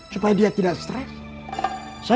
supaya dia tidak terlalu terlalu terlalu terlalu terlalu terlalu